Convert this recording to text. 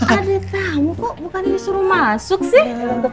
adik kamu kok bukan disuruh masuk sih